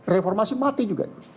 reformasi mati juga